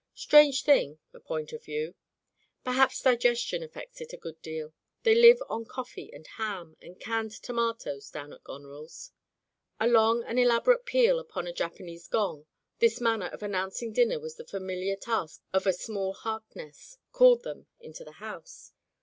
Strange thing, a point of view! Perhaps diges tion affects it a good deal. They live on cof fee and ham and canned tomatoes down at Gonerirs." A long and elaborate peal upon a Japan ese gong — this manner of announcing dinner was the familiar task of a small Harkness — called them into the house.